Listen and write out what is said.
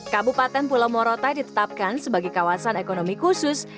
kabupaten pulau morotai ditetapkan sebagai kawasan ekonomi khusus